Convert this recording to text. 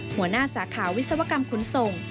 หัวหน้าสาขาวิศวกรรมคุณส่ง